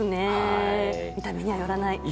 見た目にはよらない。